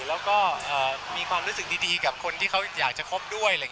แล้วก็มีความรู้สึกดีกับคนที่เขาอยากจะคบด้วย